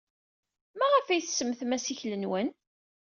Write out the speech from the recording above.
Maɣef ay tsemmtem assikel-nwen?